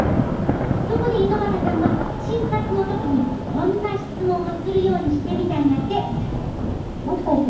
そこで猪又さんは診察の時にこんな質問をするようにしてみたんやて。